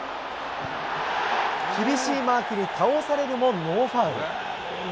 厳しいマークに倒されるもノーファウル。